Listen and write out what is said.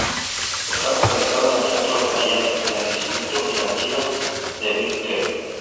Está localizado en el centro de Miami, en el distrito financiero de Brickell.